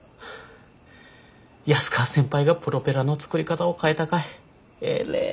安川先輩がプロペラの作り方を変えたかいえれえ